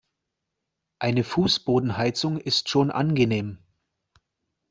Eine Fußbodenheizung ist schon angenehm.